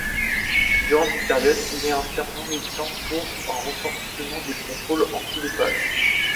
Durant cette période, il est un fervent militant pour un renforcement des contrôles antidopage.